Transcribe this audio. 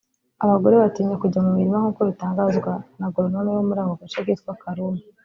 Abagore batinya kujya mu mirima nk’uko bitangazwa n’agoronome wo muri ako gace witwa Karume